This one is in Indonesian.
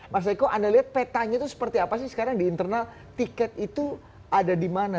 mas eko anda lihat petanya itu seperti apa sih sekarang di internal tiket itu ada di mana